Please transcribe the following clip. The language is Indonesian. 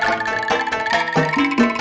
ibu lama ga ibu